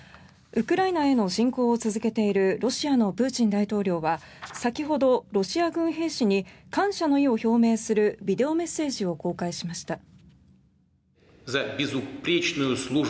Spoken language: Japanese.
ウクライナへの侵攻を続けているロシアのプーチン大統領は先ほどロシア軍兵士に感謝の意を表明するビデオメッセージを公開しました。